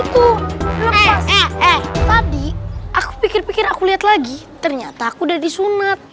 eh eh tadi aku pikir pikir aku lihat lagi ternyata aku udah disunat